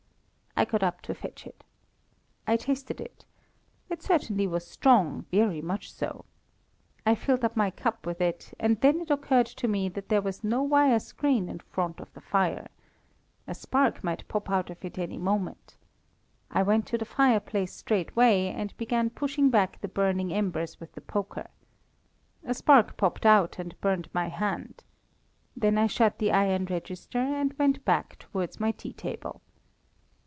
I got up to fetch it. I tasted it. It certainly was strong, very much so. I filled up my cup with it, and then it occurred to me that there was no wire screen in front of the fire. A spark might pop out of it any moment. I went to the fireplace straightway, and began pushing back the burning embers with the poker. A spark popped out and burnt my hand. Then I shut the iron register, and went back towards my tea table.